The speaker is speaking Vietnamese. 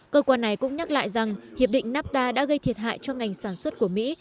cơ quan này cũng nhắc lại rằng hiệp định nafta đã gây thiệt hại cho ngành sản xuất của mỹ